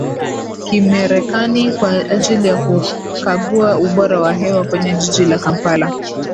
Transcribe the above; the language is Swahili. kimerekani kwa ajili ya kukagua ubora wa hewa kwenye jiji la Kampala